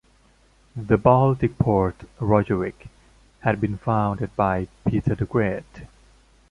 The Baltic port Rogervik had been founded by Peter the Great.